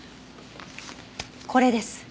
これです。